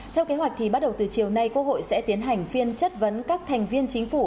theo kế hoạch thì bắt đầu từ chiều nay quốc hội sẽ tiến hành phiên chất vấn các thành viên chính phủ